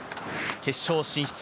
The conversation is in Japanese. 決勝進出。